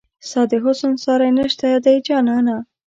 ستا د حسن ساری نشته دی جانانه